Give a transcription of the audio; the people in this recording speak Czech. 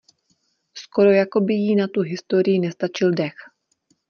Skoro jako by jí na tu historii nestačil dech.